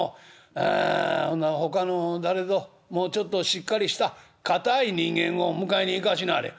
あほなほかの誰ぞもうちょっとしっかりした堅い人間を迎えに行かしなはれ」。